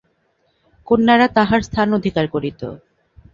কন্যারা তাঁহার স্থান অধিকার করিত।